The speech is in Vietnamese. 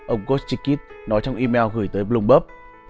ông kostikid nói trong email gửi tới bloomberg